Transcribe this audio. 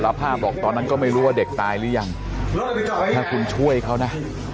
ภาพบอกตอนนั้นก็ไม่รู้ว่าเด็กตายหรือยังถ้าคุณช่วยเขานะ